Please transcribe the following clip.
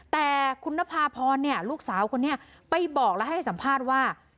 แต่คุณนภาพรลูกสาวคนนี้ไปบอกและให้สัมภาษณ์ว่า